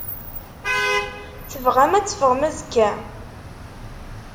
Tebɣam ad teffɣem azekka?